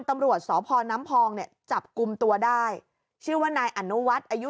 ตำรวจสพน้ำพองเนี่ยจับกลุ่มตัวได้ชื่อว่านายอนุวัฒน์อายุ